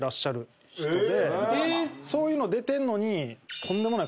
そういうの出てんのに。